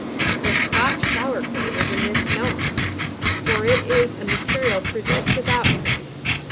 The Scotch "sour cream" is a misnomer; for it is a material produced without cream.